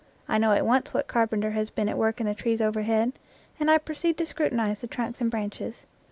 I know at once what carpenter has been at work in the trees overhead, and I proceed to scrutinize the trunks and branches.